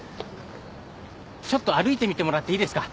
ちょっと歩いてみてもらっていいですか？